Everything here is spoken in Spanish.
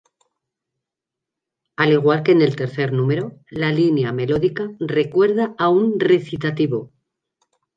Al igual que en el tercer número, la línea melódica recuerda a un recitativo.